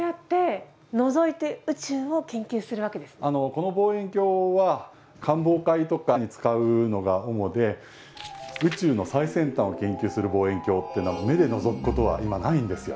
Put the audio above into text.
この望遠鏡は観望会とかに使うのが主で宇宙の最先端を研究する望遠鏡っていうのは目でのぞくことは今ないんですよ。